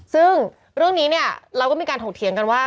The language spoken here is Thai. ซึ่งเรื่องนี้เนี่ยเราก็มีการถกเถียงกันว่า